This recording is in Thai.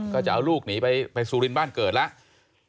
ก็จะเอาลูกหนีไปสุรินทร์บ้านเกิดแล้ว